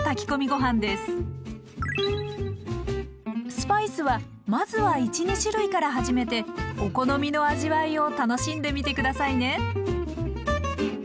スパイスはまずは１２種類から始めてお好みの味わいを楽しんでみて下さいね。